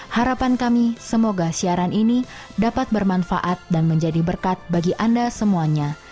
harapan kami semoga siaran ini dapat bermanfaat dan menjadi berkat bagi anda semuanya